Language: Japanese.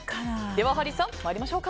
ハリーさん、参りましょうか。